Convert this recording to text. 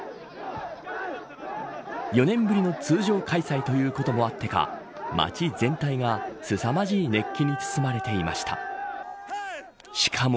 ４年ぶりの通常開催ということもあってか街全体が凄まじい熱気に包まれていました。